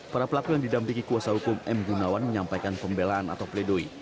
para pelaku yang didampingi kuasa hukum m gunawan menyampaikan pembelaan atau pledoi